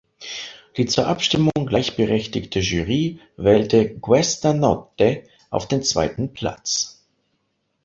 Die zur Abstimmung gleichberechtigte Jury wählte "Questa notte" auf den zweiten Platz.